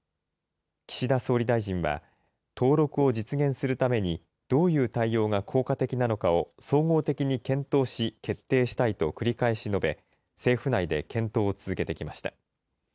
岸田総理大臣は、登録を実現するために、どういう対応が効果的なのかを総合的に検討し、決定したいと繰り返し述べ、政府内で検討を続けてきました。